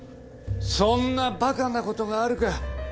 そんなバカなことがあるか。